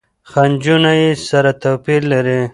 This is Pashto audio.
خجونه يې سره توپیر لري.